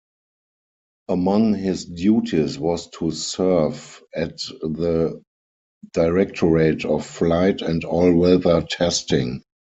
Among his duties was to serve at the Directorate of Flight and All-Weather Testing.